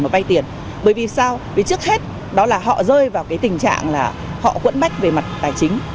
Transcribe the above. bởi vì sao vì trước hết đó là họ rơi vào cái tình trạng là họ quẫn bách về mặt tài chính